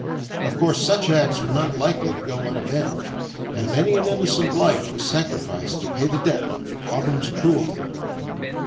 Of course such acts were not likely to go unavenged, and many an innocent life was sacrificed to pay the debt of Cobham's cruelty.